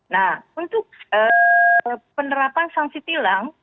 nah untuk penerapan sanksi tilang